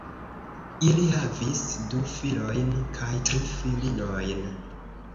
Ili havis du filojn kaj tri filinojn.